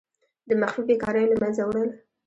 د مخفي بیکاریو له منځه وړل.